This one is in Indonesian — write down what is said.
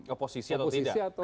oposisi atau tidak